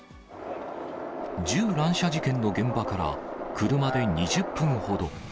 銃乱射事件の現場から車で２０分ほど。